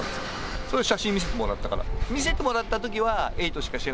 それ、写真見せてもらったから。